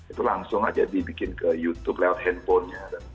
itu langsung aja dibikin ke youtube lewat handphonenya